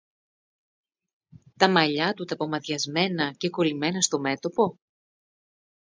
Τα μαλλιά του τα πομαδιασμένα και κολλημένα στο μέτωπο;